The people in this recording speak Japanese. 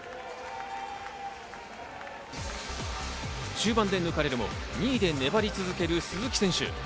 中盤で抜かれるも２位で粘り続ける鈴木選手。